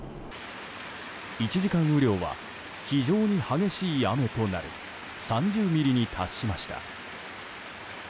１時間雨量は非常に激しい雨となる３０ミリに達しました。